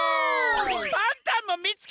パンタンもみつけてよ！